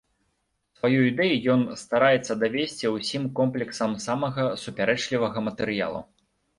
Сваю ідэю ён стараецца давесці ўсім комплексам самага супярэчлівага матэрыялу.